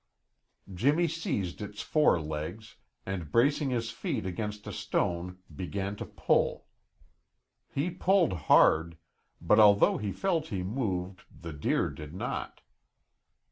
Jimmy seized its fore legs, and bracing his feet against a stone, began to pull. He pulled hard, but although he felt he moved, the deer did not.